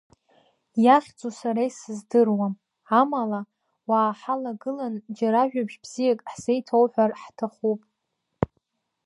Иахьӡу сара исыздыруам, амала, уааҳалагылан, џьара ажәабжь бзиак ҳзеиҭоуҳәар ҳҭахуп.